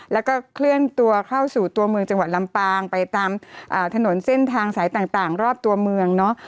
แล้วก็เคลื่อนตัวเข้าสู่ตัวเมืองจังหวัดลำปางไปตามถนนเส้นทางสายต่างรอบตัวเมืองเนาะ